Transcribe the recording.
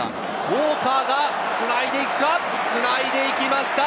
ウォーカーがつないでいきました。